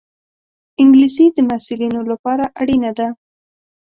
انګلیسي د محصلینو لپاره اړینه ده